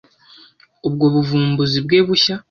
Ubwo buvumbuzi bwe bushya